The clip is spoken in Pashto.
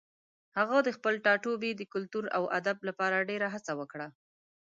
هغه د خپل ټاټوبي د کلتور او ادب لپاره ډېره هڅه وکړه.